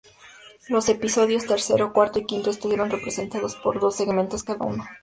Los episodios tercero, cuarto y quinto estuvieron representados por dos segmentos cada uno.